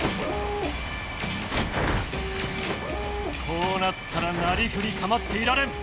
こうなったらなりふりかまっていられん！